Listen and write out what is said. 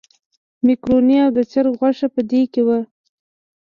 مېکاروني او د چرګ غوښه په کې وه.